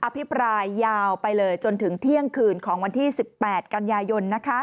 ภิปรายยาวไปเลยจนถึงเที่ยงคืนของวันที่๑๘กันยายน